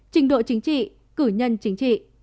trình độ chính trị cử nhân chính trị